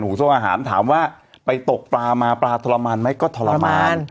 ส่งอาหารถามว่าไปตกปลามาปลาทรมานไหมก็ทรมาน